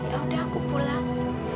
ya udah aku pulang